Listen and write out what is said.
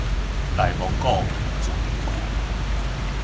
內蒙古自治區